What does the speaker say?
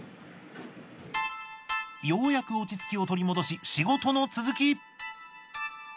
ようやく落ち着きを取り戻し仕事の続き。